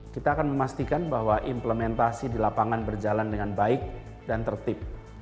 kita akan memastikan bahwa implementasi di lapangan berjalan dengan baik dan tertib